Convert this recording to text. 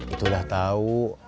itu udah tau